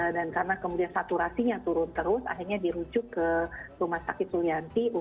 dan karena kemudian saturasinya turun terus akhirnya dirucuk ke rumah sakit sulianti